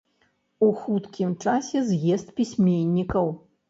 У хуткім часе з'езд пісьменнікаў.